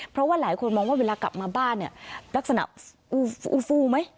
เพราะว่าหลายคนมองว่าเวลากลับมาบ้านเนี่ยลักษณะอูฟูฟูไหม